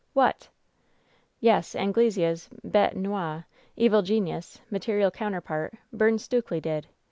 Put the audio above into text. "What !" "Yes, Anglesea's hete noir, evil genius, material i!Oun terpart, Byi?iie Stukely, did.